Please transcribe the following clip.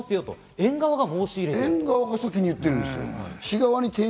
園側が先に言ってるんですよ。